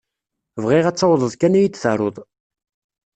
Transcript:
Bɣiɣ ad tawḍeḍ kan ad yi-d-taruḍ.